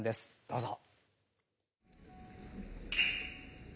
どうぞ。